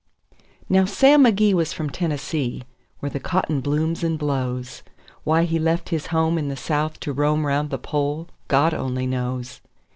Now Sam McGee was from Tennessee, where the cotton blooms and blows. Why he left his home in the South to roam 'round the Pole, God only knows.